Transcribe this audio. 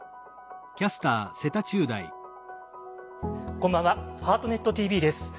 こんばんは「ハートネットＴＶ」です。